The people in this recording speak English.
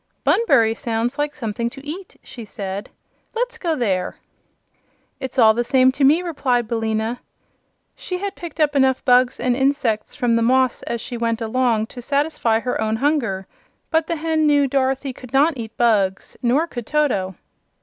"Bunbury sounds like something to eat," she said. "Let's go there." "It's all the same to me," replied Billina. She had picked up enough bugs and insects from the moss as she went along to satisfy her own hunger, but the hen knew Dorothy could not eat bugs; nor could Toto.